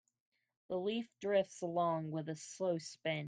The leaf drifts along with a slow spin.